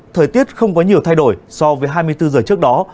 thời tiết không có nhiều thay đổi so với hai mươi bốn giờ trước đó